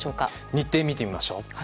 日程を見てみましょう。